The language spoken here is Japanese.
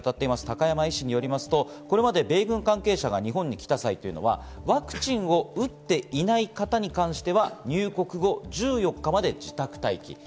現地で診療に当たっている高山医師によりますと、これまで米軍関係者が日本に来た際ワクチンが打っていない方に関しては入国を１４日まで自宅待機。